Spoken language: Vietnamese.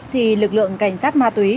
thì lực lượng cảnh sát ma túy